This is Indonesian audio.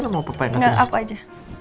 enggak apa aja